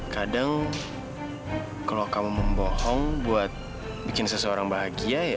kadang kalau kamu membohong buat bikin seseorang bahagia